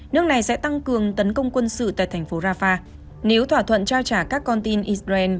nước này sẽ tăng cường tấn công quân sự tại thành phố rafah nếu thỏa thuận trao trả các con tin israel